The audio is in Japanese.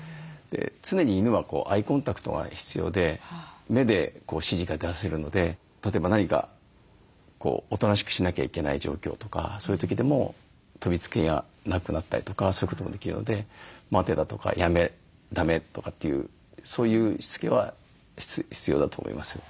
常に犬はアイコンタクトが必要で目で指示が出せるので例えば何かおとなしくしなきゃいけない状況とかそういう時でも飛びつきがなくなったりとかそういうこともできるので「待て」だとか「やめ」「だめ」とかっていうそういうしつけは必要だと思います。